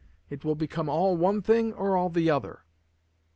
It will become all one thing or all the other.